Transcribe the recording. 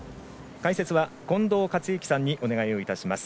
解説は近藤克之さんにお願いをいたします。